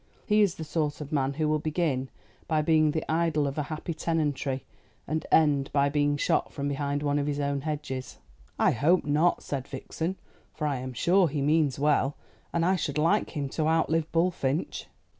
He is the sort of man who will begin by being the idol of a happy tenantry, and end by being shot from behind one of his own hedges." "I hope not," said Vixen, "for I am sure he means well. And I should like him to outlive Bullfinch."